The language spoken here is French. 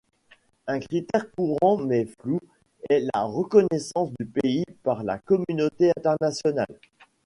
Un critère courant mais flou est la reconnaissance du pays par la communauté internationale.